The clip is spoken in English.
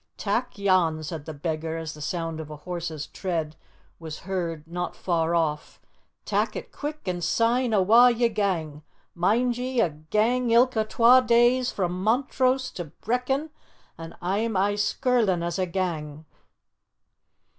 "Tak' yon," said the beggar, as the sound of a horse's tread was heard not far off, "tak' it quick an' syne awa' ye gang! Mind ye, a gang ilka twa days frae Montrose to Brechin, an a'm aye skirlin' as a gang."